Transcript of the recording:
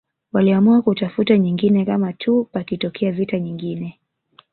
Waliamua kutafuta nyingine kama tuu pakitokea vita nyingine